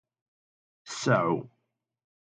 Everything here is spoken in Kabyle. Tseɛɛu.